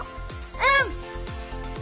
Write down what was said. うん！